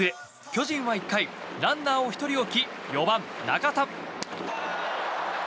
巨人は１回ランナーを１人置き４番、中田。